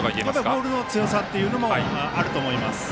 ボールの強さというのもあると思います。